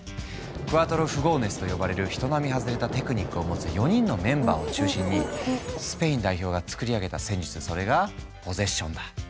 クアトロ・フゴーネスと呼ばれる人並み外れたテクニックを持つ４人のメンバーを中心にスペイン代表が作り上げた戦術それがポゼッションだ。